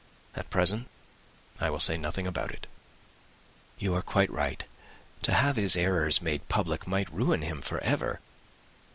At present I will say nothing about it." "You are quite right. To have his errors made public might ruin him for ever.